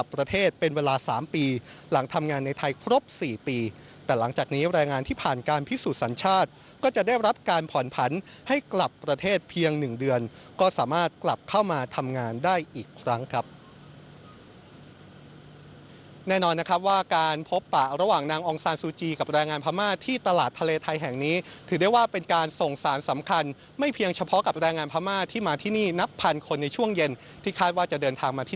เป็นเวลาสามปีหลังทำงานในไทยครบสี่ปีแต่หลังจากนี้แรงงานที่ผ่านการพิสูจน์สัญชาติก็จะได้รับการผ่อนผันให้กลับประเทศเพียงหนึ่งเดือนก็สามารถกลับเข้ามาทำงานได้อีกครั้งครับแน่นอนนะครับว่าการพบประระหว่างนางอองซานซูจีกับแรงงานพม่าที่ตลาดทะเลไทยแห่งนี้ถือได้ว่าเป็นการส่งสารสำคัญไม่เพ